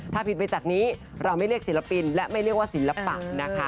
ถ้าผิดไปจากนี้เราไม่เรียกศิลปินและไม่เรียกว่าศิลปะนะคะ